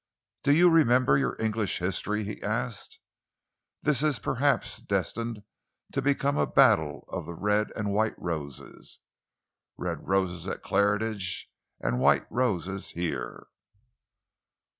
"Do you remember your English history?" he asked. "This is perhaps destined to become a battle of red and white roses red roses at Claridge's and white roses here."